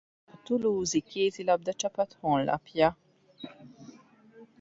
A toulouse-i kézilabdacsapat honlapja.